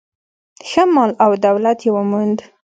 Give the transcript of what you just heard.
ښه مال او دولت یې وموند.